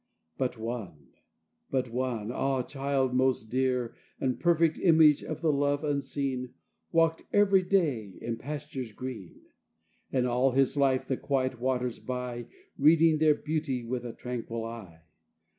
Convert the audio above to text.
But One, but One, ah, child most dear, And perfect image of the Love Unseen, Walked every day in pastures green, And all his life the quiet waters by, Reading their beauty with a tranquil eye.